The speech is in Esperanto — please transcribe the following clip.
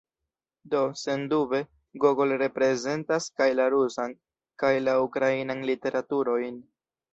Do, sendube, Gogol reprezentas kaj la rusan, kaj la ukrainan literaturojn.